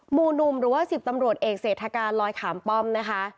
หมู่หนุ่มหรือว่า๑๐ตำรวจเอกเศรษฐการลอยขามป้อมนะคะ